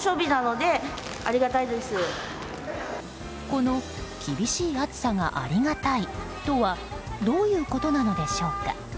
この厳しい暑さがありがたいとはどういうことなのでしょうか。